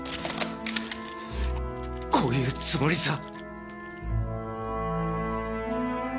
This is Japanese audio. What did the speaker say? こういうつもりさ。